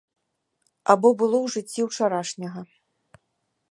Або было ў жыцці ўчарашняга.